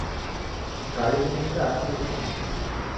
গাড়ি জিনিসটা আসলে কি?